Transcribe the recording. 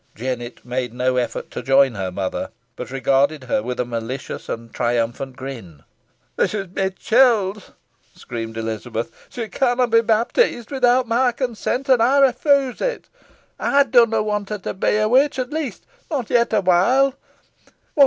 Jennet made no effort to join her mother, but regarded her with a malicious and triumphant grin. "This is my chilt," screamed Elizabeth. "She canna be baptised without my consent, an ey refuse it. Ey dunna want her to be a witch at least not yet awhile.